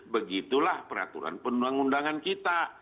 begitulah peraturan pengundangan kita